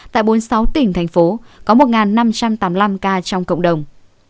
tại bốn mươi sáu tỉnh thành phố có một năm trăm tám mươi năm ca trong cộng đồng